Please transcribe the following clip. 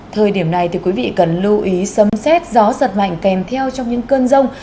thời điểm này thì quý vị cần lưu ý sấm xét gió giật mạnh kèm theo trong những cơn rông